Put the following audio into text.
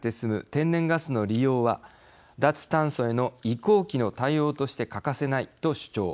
天然ガスの利用は脱炭素への移行期の対応として欠かせないと主張。